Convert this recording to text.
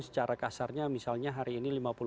secara kasarnya misalnya hari ini